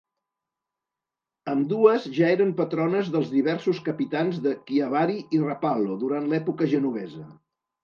Ambdues ja eren patrones dels diversos capitans de Chiavari i Rapallo durant l'època genovesa.